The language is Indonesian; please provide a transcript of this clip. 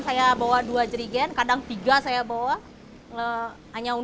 saya bawa dua jerigen kadang tiga saya bawa